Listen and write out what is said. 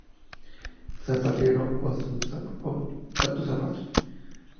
Zapatero, a tus zapatos